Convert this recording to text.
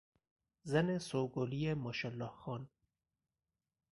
زن سوگلی ماشاالله خان